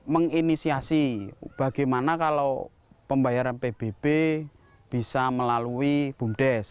menginisiasi bagaimana kalau pembayaran pbb bisa melalui bumdes